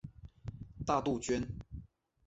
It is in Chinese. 大杜鹃。